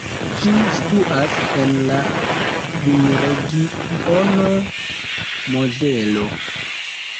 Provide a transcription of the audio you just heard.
Ĝi situas en la vinregiono Mozelo.